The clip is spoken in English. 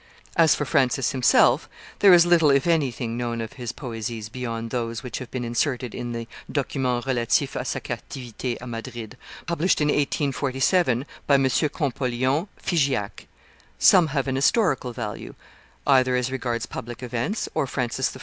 As for Francis I. himself, there is little, if anything, known of his posies beyond those which have been inserted in the Documents relatifs a sa Captivite a Madrid, published in 1847 by M. Champollion Figeac; some have an historical value, either as regards public events or Francis I.